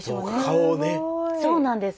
そうなんです。